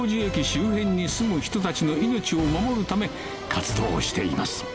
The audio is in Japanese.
周辺に住む人たちの命を守るため活動しています